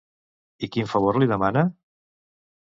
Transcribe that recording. I quin favor li demana?